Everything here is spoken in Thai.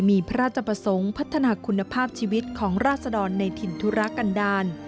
มีพระราชประสงค์พัฒนาคุณภาพชีวิตของราศดรในถิ่นธุระกันดาล